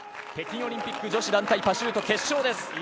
北京オリンピック女子団体パシュート決勝です。